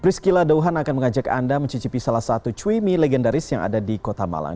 priscila dauhan akan mengajak anda mencicipi salah satu cui mie legendaris yang ada di kota malang